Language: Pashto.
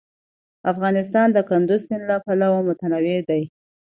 افغانستان د کندز سیند له پلوه متنوع دی.